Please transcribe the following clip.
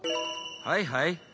はいはい。